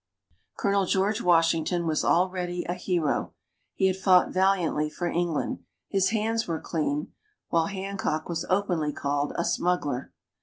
Colonel George Washington was already a hero; he had fought valiantly for England. His hands were clean; while Hancock was openly called a smuggler.